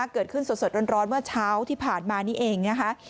เกิดขึ้นสดร้อนเมื่อเช้าที่ผ่านมานี่เองนะคะ